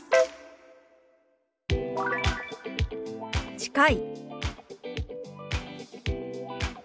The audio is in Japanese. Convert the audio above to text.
「近い」。